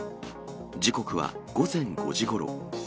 時刻は午前５時ごろ。